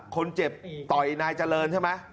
คนเจ็บต่อยนายเจริญใช่ไหม